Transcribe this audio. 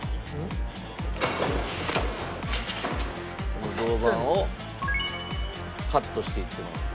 その銅板をカットしていってます。